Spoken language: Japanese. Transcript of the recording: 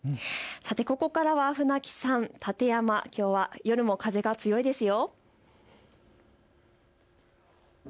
ここからは船木さん、館山、きょうは夜も風が強いですよ。